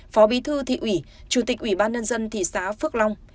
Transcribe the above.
phó bí thư thị ủy chủ tịch ủy ban nhân dân thị xã phước long